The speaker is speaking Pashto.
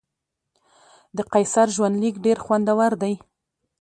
د قیصر ژوندلیک ډېر خوندور دی.